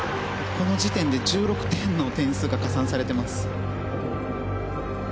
この時点で１６点の点数が加算されています。